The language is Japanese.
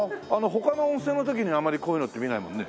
他の温泉の時にあまりこういうのって見ないもんね？